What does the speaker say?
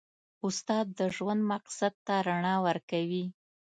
استاد د ژوند مقصد ته رڼا ورکوي.